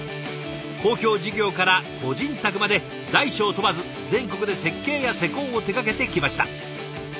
公共事業から個人宅まで大小問わず全国で設計や施工を手がけてきました。